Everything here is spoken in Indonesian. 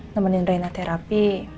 nemenin rena terapi